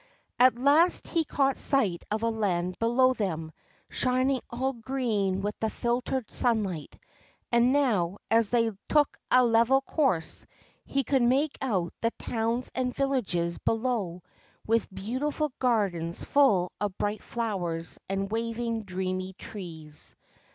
At last he caught 148 URASHIMA TARO sight of a land below them, shining all green with the filtered sunlight ; and now, as they took a level course, he could make out the towns and villages below, with beautiful gardens full of bright flowers and waving dreamy trees.